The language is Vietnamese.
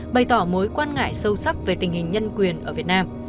bày tỏ mối quan ngại sâu sắc về tình hình nhân quyền ở việt nam